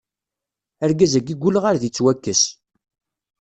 Argaz-agi ggulleɣ ar d ittwakkes.